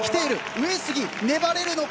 上杉、粘れるのか。